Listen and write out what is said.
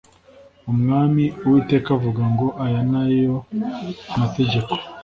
umwami uwiteka avuga ngo aya ni yo mategeko